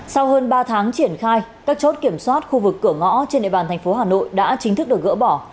sau hơn ba tháng triển khai các chốt kiểm soát khu vực cửa ngõ trên địa bàn thành phố hà nội đã chính thức được gỡ bỏ